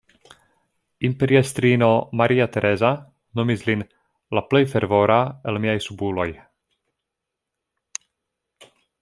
Imperiestrino Maria Tereza nomis lin "la plej fervora el miaj subuloj".